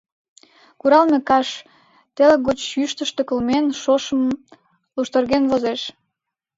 Куралме каш, теле гоч йӱштыштӧ кылмен, шошым луштырген возеш.